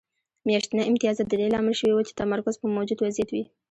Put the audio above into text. میاشتني امتیازات د دې لامل شوي وو چې تمرکز پر موجود وضعیت وي